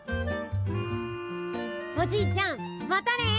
おじいちゃんまたね！